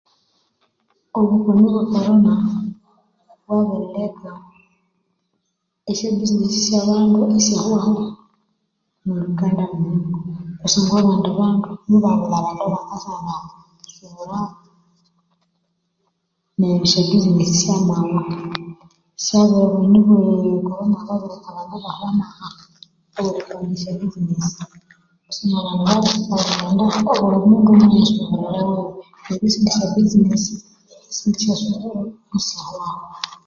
Obukoni bwe korona, bwabiri leka esya buzinesi esya bandu isyahwaho omwa Uganda muno, kusangwa abandi bandu mubabulha abandu abakasyabasuburako neryo esya buzinesi syamawa. So obukoni obwe korona bwabirileka abandu ibahwa amaha aweripanga esya buzinesi kusangwa abandu babiri kusangwa esindi syasuburo musyahwaho.